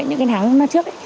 những tháng trước